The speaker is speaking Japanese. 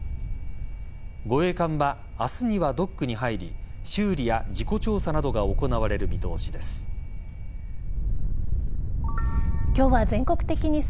護衛艦は明日にはドックに入り修理や事故調査などが行われる見通しです。